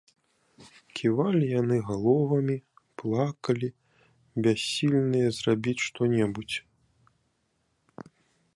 Ківалі яны галовамі, плакалі, бяссільныя зрабіць што-небудзь.